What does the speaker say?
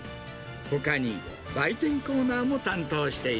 ほかに売店コーナーも担当してい